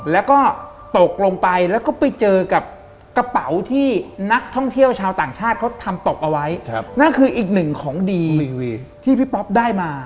แล้วก็ตกลงไปแล้วก็ไปเจอกับกระเป๋าที่นักท่องเที่ยวชาวต่างชาติเขาทำตกเอาไว้นั่นคืออีกหนึ่งของดีที่พี่ป๊อปได้มา